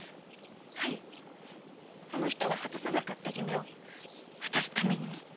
はいあの人が果たせなかった夢を果たすためにも。